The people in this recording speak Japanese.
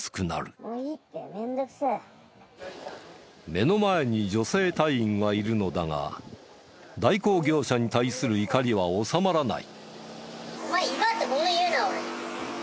目の前に女性隊員はいるのだが代行業者に対する怒りは収まらない。